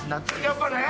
やっぱね。